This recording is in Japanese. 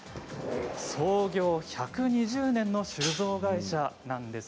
創業１２０年の酒造会社です。